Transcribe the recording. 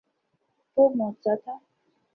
وہ معجزہ تھا۔